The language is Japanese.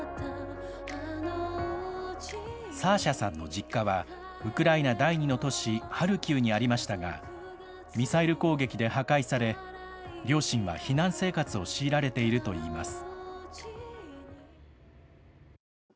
サーシャさんの実家は、ウクライナ第２の都市ハルキウにありましたが、ミサイル攻撃で破壊され、両親は避難生活を強いられているといいます。